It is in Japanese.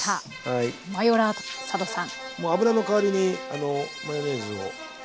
もう油の代わりにマヨネーズを。